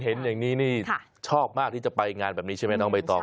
เห็นอย่างนี้นี่ชอบมากที่จะไปงานแบบนี้ใช่ไหมน้องใบตอง